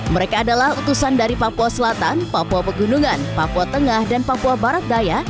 mereka adalah utusan dari papua selatan papua pegunungan papua tengah dan papua barat daya